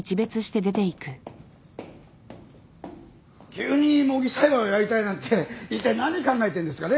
急に模擬裁判をやりたいなんていったい何考えてんですかね。